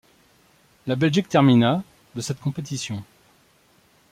La Belgique termina de cette compétition.